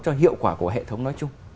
cho hiệu quả của hệ thống nói chung